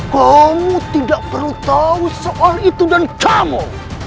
kamu tidak perlu tahu soal itu dan kamu